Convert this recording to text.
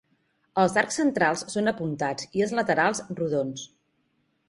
Els arcs centrals són apuntats, i els laterals rodons.